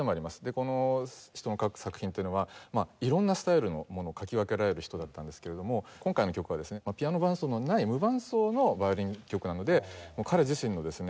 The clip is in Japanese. この人の書く作品というのは色んなスタイルのものを書き分けられる人だったんですけれども今回の曲はですねピアノ伴奏のない無伴奏のヴァイオリン曲なので彼自身のですね